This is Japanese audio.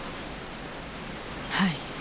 はい。